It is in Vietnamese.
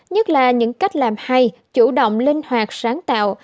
nhất là những cách làm hay chủ động linh hoạt sáng tạo